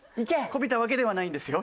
こびたわけではないんですよ。